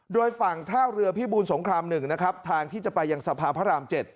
โดยฝั่งท่าเรือพิบูลสงคราม๑นะครับทางที่จะไปยังสะพานพระราม๗